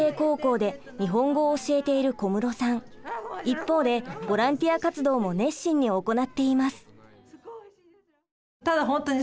一方でボランティア活動も熱心に行っています。